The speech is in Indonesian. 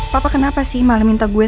papa kenapa sih malah minta gue